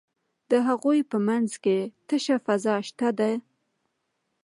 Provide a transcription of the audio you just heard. د هغوی په منځ کې تشه فضا شته ده.